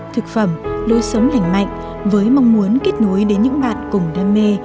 thực phẩm lối sống lành mạnh với mong muốn kết nối đến những bạn cùng đam mê